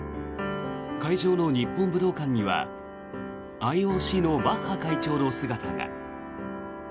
会場の日本武道館にはＩＯＣのバッハ会長の姿が。